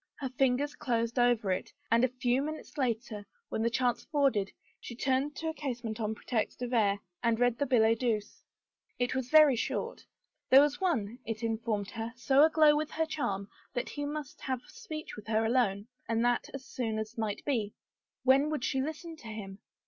Her fingers closed over it, and a few minutes later, when the chance afforded, she turned to a casement on pretext of air, and read the billet doux. It was very short. There was one, it informed her, so aglow with her charm that he must have speech with her alone and that as soon as might be. When would she listen to him?